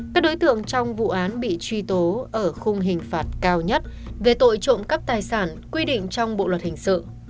các đối tượng trong vụ án bị truy tố ở khung hình phạt cao nhất về tội trộm cắp tài sản quy định trong bộ luật hình sự